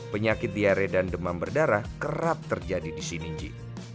penyakit diare dan demam berdarah kerap terjadi di sini ji